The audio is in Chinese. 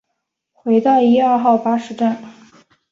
回到一二号巴士站